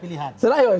iya selalu ada pilihan